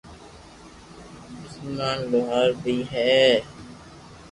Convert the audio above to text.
مسمان لوھار بي ھي